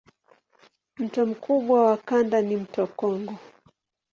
Mto mkubwa wa kanda ni mto Kongo.